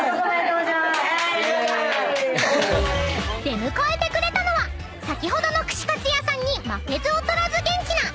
［出迎えてくれたのは先ほどの串カツ屋さんに負けず劣らず元気な］